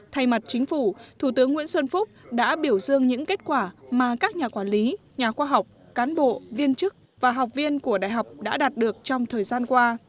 thay mặt chính phủ thủ tướng nguyễn xuân phúc đã biểu dương những kết quả mà các nhà quản lý nhà khoa học cán bộ viên chức và học viên của đại học đã đạt được trong thời gian qua